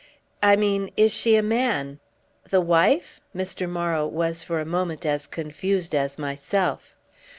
"I mean is she a man?" "The wife?"—Mr. Morrow was for a moment as confused as myself.